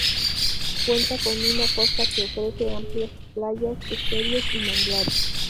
Cuenta con una costa que ofrece amplias playas, esteros y manglares.